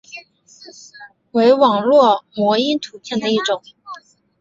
为网络模因图片的一种。